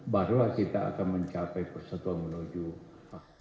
barulah kita akan mencapai persatuan menuju apa